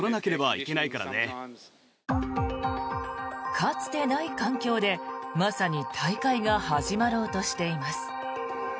かつてない環境でまさに大会が始まろうとしています。